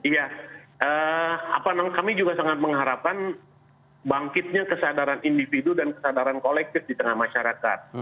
ya kami juga sangat mengharapkan bangkitnya kesadaran individu dan kesadaran kolektif di tengah masyarakat